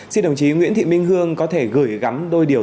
xin đồng chí nguyễn thị minh hương có thể gửi gắm đôi điều